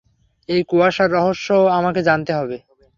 এই কুয়াশার রহস্যও আমাকে জানতে হবে।